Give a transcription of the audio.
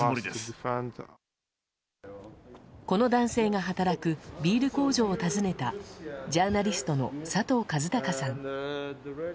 この男性が働くビール工場を訪ねたジャーナリストの佐藤和孝さん。